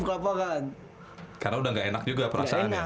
karena udah nggak enak juga perasaannya